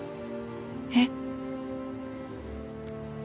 えっ？